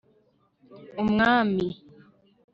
umwami